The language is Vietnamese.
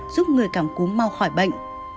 giúp người cảm cú mau khỏi bệnh